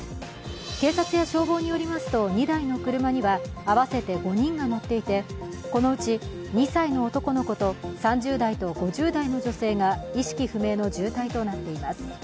警察や消防によりますと、２台の車には合わせて５人が乗っていてこのうち２歳の男の子と３０代と５０代の女性が意識不明の重体となっています。